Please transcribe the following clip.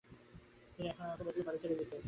তিন্নি এখন আমাকে বলছে বাড়ি ছেড়ে যেতে।